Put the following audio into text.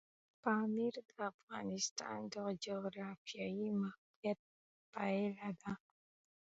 پامیر د افغانستان د جغرافیایي موقیعت پایله ده.